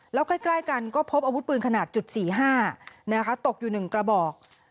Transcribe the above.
แล้วใกล้กันก็พบอาวุธปืนขนาดจุด๔๕ตกอยู่๑กระบอก